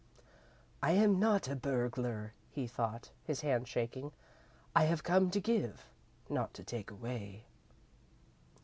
"I am not a burglar," he thought, his hands shaking. "I have come to give, not to take away."